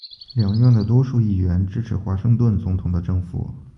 两院的多数议员支持华盛顿总统的政府。